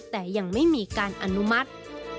แต่ยังไม่มีการอนุมัติ